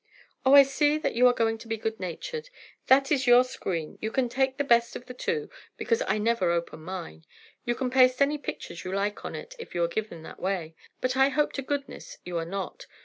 "Oh, I see you are going to be good natured! That is your screen—you can take the best of the two, because I never open mine. You can paste any pictures you like on it if you are given that way; but I hope to goodness you are not.